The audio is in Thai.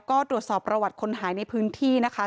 ก็ตรวจสอบประวัติคนหายในพื้นที่นะคะ